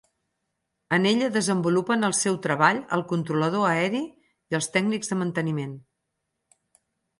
En ella desenvolupen el seu treball el controlador aeri i els tècnics de manteniment.